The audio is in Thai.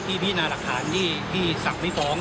พินาหลักฐานที่สั่งไม่ฟ้อง